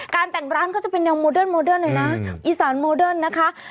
แต่งร้านเขาจะเป็นแนวโมเดิร์โมเดิร์นหน่อยนะอีสานโมเดิร์นนะคะ